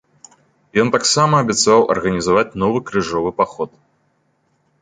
Ён таксама абяцаў арганізаваць новы крыжовы паход.